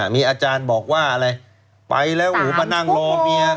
มีอาจารย์บอกให้ไปแล้วมานั่งรอเมีย